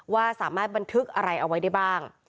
ว่าสามารถบันทึกอะไรเอาไว้ได้บ้าง